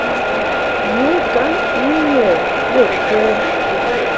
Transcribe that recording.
Yu ŋkaŋ e-mail bə kə ɛ?